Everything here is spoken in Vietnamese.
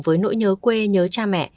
với nỗi nhớ quê nhớ cha mẹ